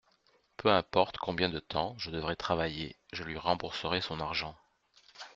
Peu importe combien de temps je devrai travailler, je lui rembourserai son argent.